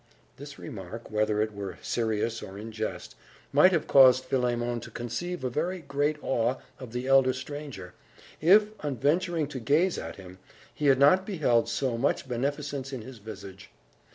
This remark, whether it were serious or in jest, might have caused Philemon to conceive a very great awe of the elder stranger, if, on venturing to gaze at him, he had not beheld so much beneficence in his visage.